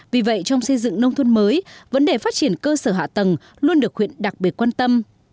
vì vậy trong xây dựng nông thôn mới vấn đề phát triển cơ sở hạ tầng luôn được huyện đặc biệt quan tâm